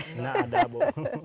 tidak ada bu